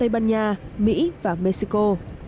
mỹ và mexico